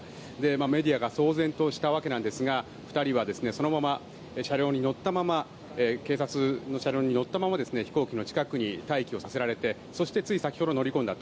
メディアが騒然としたわけですが２人はそのまま警察の車両に乗ったまま飛行機の近くに待機をさせられてそしてつい先ほど乗り込んだと。